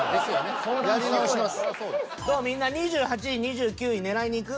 みんな２８位２９位狙いにいく？